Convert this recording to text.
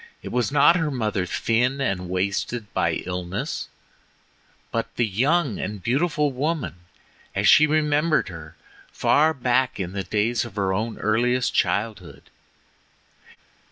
It was not her mother thin and wasted by illness, but the young and beautiful woman as she remembered her far back in the days of her own earliest childhood.